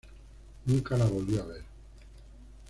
Nunca la volvió a ver.